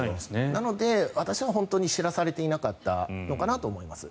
なので、私は本当に知らされていなかったのかなと思います。